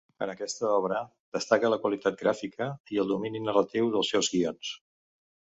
En aquesta obra, destaca la qualitat gràfica, i el domini narratiu dels seus guions.